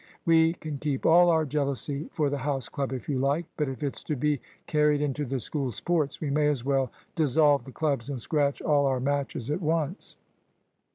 We can keep all our jealousy for the House club if you like; but if it's to be carried into the School sports we may as well dissolve the clubs and scratch all our matches at once."